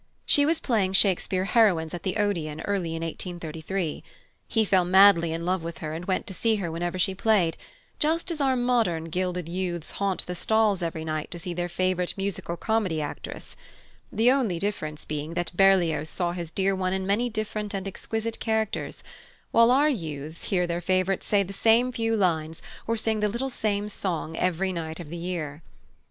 She was playing Shakespeare heroines at the Odeon early in 1833. He fell madly in love with her and went to see her whenever she played, just as our modern gilded youths haunt the stalls every night to see their favourite musical comedy actress; the only difference being that Berlioz saw his dear one in many different and exquisite characters, while our youths hear their favourites say the same few lines or sing the same little song every night of the year.